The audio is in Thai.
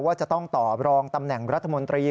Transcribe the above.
ว่าจะต้องต่อรองตำแหน่งรัฐมนตรี